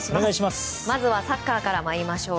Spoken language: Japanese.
まずはサッカーから参りましょう。